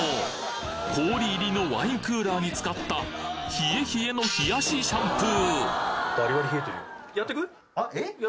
氷入りのワインクーラーに浸かったひえひえの冷やしシャンプー！